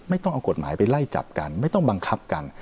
ต้องเอากฎหมายไปไล่จับกันไม่ต้องบังคับกัน